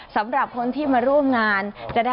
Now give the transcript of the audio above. สำหรับคนที่มาร่วมงาน